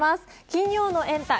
金曜日のエンタ！